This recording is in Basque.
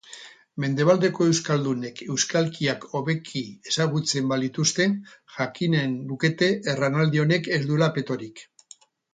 Mendebaldeko euskaldunek euskalkiak hobeki ezagutzen balituzte, jakinen lukete erranaldi honek ez duela petorik.